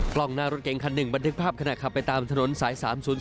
กล้องหน้ารถเก่งคันหนึ่งบันทึกภาพขณะขับไปตามถนนสาย๓๐๔